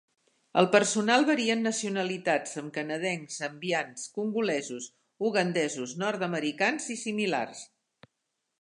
El personal varia en nacionalitats amb canadencs, zambians, congolesos, ugandesos, nord-americans i similars.